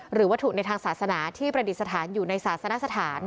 หรือวัตถุในทางศาสนาที่ประดิษฐานอยู่ในศาสนสถาน